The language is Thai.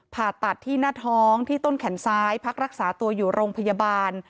ผ่าตัดที่หน้าท้องที่ต้นแขนซ้ายพักรักษาตัวอยู่โรงพยาบาล